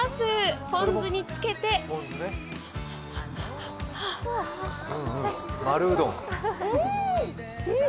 ポン酢につけてうーん！